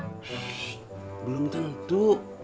shhh belum tentu